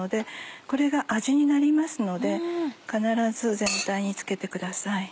これが味になりますので必ず全体に付けてください。